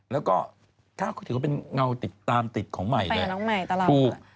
แล้วก็ก้าวเขาถือว่าเป็นเงาติดตามติดของไหมเลยแปลกน้องไหมตลอด